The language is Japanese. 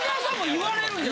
言われる。